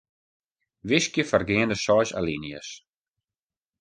Wiskje foargeande seis alinea's.